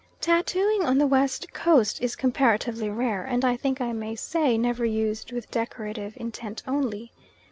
Tattooing on the West Coast is comparatively rare, and I think I may say never used with decorative intent only.